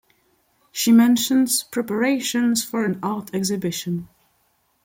She mentions preparations for an art exhibition.